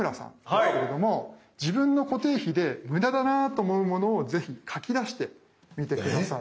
ですけれども自分の固定費でムダだなと思うものをぜひ書き出してみて下さい。